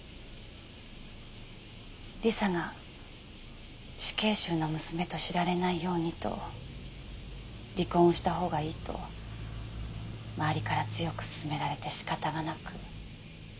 理沙が死刑囚の娘と知られないようにと離婚をした方がいいと周りから強く勧められて仕方がなく。